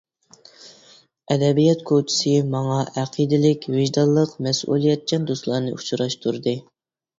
ئەدەبىيات كوچىسى ماڭا ئەقىدىلىك، ۋىجدانلىق، مەسئۇلىيەتچان دوستلارنى ئۇچراشتۇردى.